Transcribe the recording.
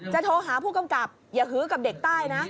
โทรหาผู้กำกับอย่าฮือกับเด็กใต้นะ